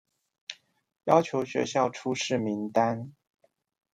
要求學校出示名單